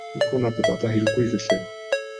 Энэ хүн одоо надад хэрэггүй -гэлээ.